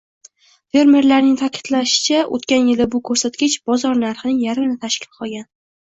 fermerlarning ta’kidlashicha, o‘tgan yil bu ko‘rsatkich bozor narxining yarmini tashkil qilgan.